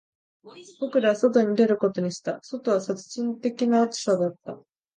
僕らは外に出ることにした、外は殺人的な暑さだった